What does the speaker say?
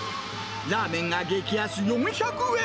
ラーメンが激安４００円。